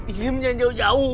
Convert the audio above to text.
diam jangan jauh jauh